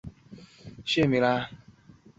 类似的术语还有硅烷衍生而来。